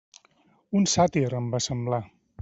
Un sàtir, em va semblar.